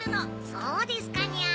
そうですかにゃ。